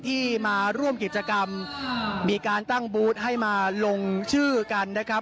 ที่มาร่วมกิจกรรมมีการตั้งบูธให้มาลงชื่อกันนะครับ